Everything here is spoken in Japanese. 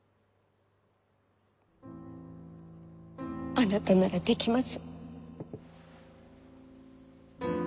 あなたならできます。